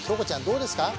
どうですか？